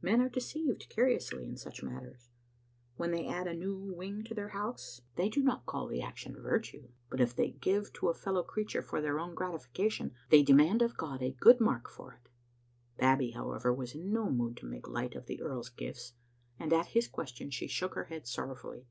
Men are deceived curiously in such matters. When they add a new wing to their house, they do not call the Digitized by VjOOQ IC 840 trbe Kittle ItiniBtct. action virtue; but if they give to a fellow Cjrcattire for their own gratification, they demand of God a good mark for it. Babbie, however, was in no mood to make light of the earl's gifts, and at his question she shook her head sorrowfully.